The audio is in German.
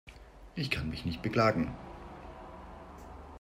Ich kann mich nicht beklagen.